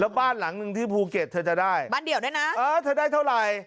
บ้านหลังหนึ่งที่ภูเก็ตเธอจะได้บ้านเดี่ยวด้วยนะเออเธอได้เท่าไหร่